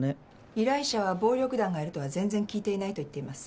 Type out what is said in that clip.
依頼者は暴力団がいるとは全然聞いていないと言っています。